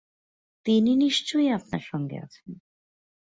তিনি নিশ্চয়ই আপনার সঙ্গে আছেন।